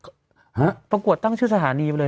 ฮะประกวดตั้งชื่อสถานีไปเลย